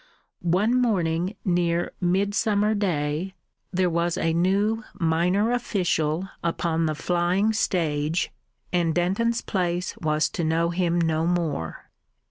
One morning near Midsummer day, there was a new minor official upon the flying stage, and Denton's place was to know him no more.